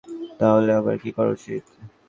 তাহলে আবার কি করা উচিত?